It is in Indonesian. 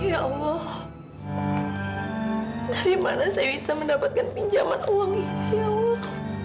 ya allah dari mana saya bisa mendapatkan pinjaman uang ini ya allah